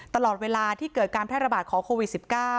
เตลอดเวลาที่เกิดการมาถ้ายระบะของโควิด๑๙